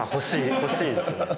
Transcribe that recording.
欲しいですね。